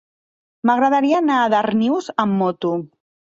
M'agradaria anar a Darnius amb moto.